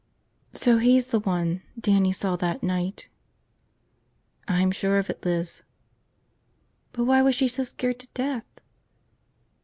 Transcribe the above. "So he's the one Dannie saw that night." "I'm sure of it, Liz." "But why was she so scared to death?"